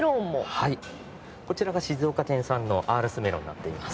はいこちらが静岡県産のアールスメロンになっています。